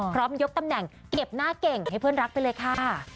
ยกตำแหน่งเก็บหน้าเก่งให้เพื่อนรักไปเลยค่ะ